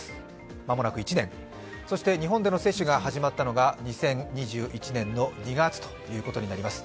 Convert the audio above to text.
間もなく１年、日本での接種が始まったのが２０２１年の２月となります。